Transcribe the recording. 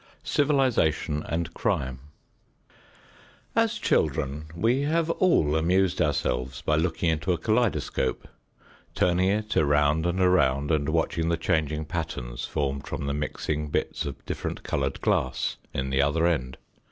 XXX CIVILIZATION AND CRIME As children we have all amused ourselves by looking into a kaleidoscope, turning it around and around and watching the changing patterns formed from the mixing bits of different colored glass in the other end.